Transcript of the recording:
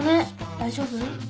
大丈夫？